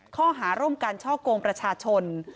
ข้อหาร่วมการช่อกงประชาชน